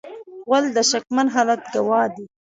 غول د شکمن حالت ګواه دی.